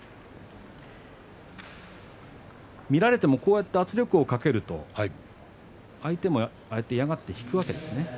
見られても圧力をかけると相手も嫌がって引くんですね。